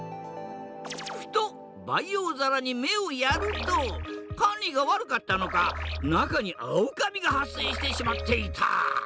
ふと培養皿に目をやると管理が悪かったのか中にアオカビが発生してしまっていた。